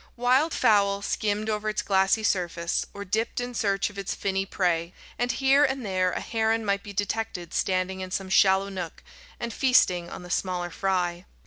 Wild fowl skimmed over its glassy surface, or dipped in search of its finny prey, and here and there a heron might be detected standing in some shallow nook, and feasting on the smaller fry.